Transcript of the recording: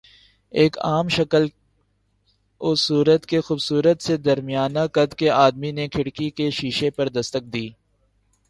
ایک عام شکل و صورت کے خوبصورت سے درمیانہ قد کے آدمی نے کھڑکی کے شیشے پر دستک دی۔